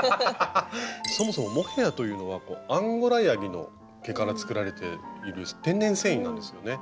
そもそもモヘヤというのはアンゴラヤギの毛から作られている天然繊維なんですよね。